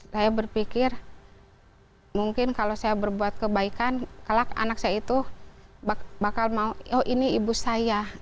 saya berpikir mungkin kalau saya berbuat kebaikan kelak anak saya itu bakal mau oh ini ibu saya